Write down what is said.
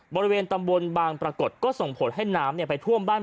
บริเวณตำบลบางปรากฏก็ส่งผลให้น้ำไปท่วมบ้าน